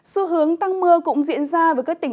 xu hướng tăng mưa cũng diễn ra với các tỉnh thái bắc